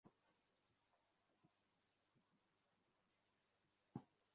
তিনি নতুন প্রজন্মকে তথ্যপ্রযুক্তির সঠিক ব্যবহারের মাধ্যমে উন্নত জীবন গড়ার আহ্বান জানান।